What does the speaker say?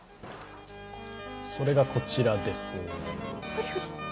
それがこちらです。